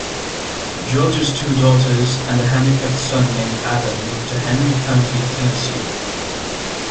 George's two daughters and a handicapped son named Adam moved to Henry County, Tennessee.